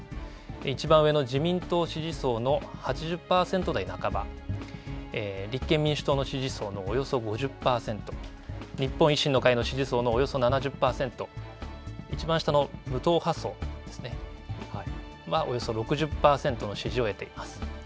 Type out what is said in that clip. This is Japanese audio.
いちばん上の自民党支持層の８０％台半ば、立憲民主党の支持層のおよそ５０％、日本維新の会の支持層のおよそ７０％、いちばん下の無党派層ではおよそ６０％の支持を得ています。